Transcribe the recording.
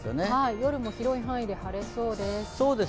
夜も広い範囲で晴れそうです。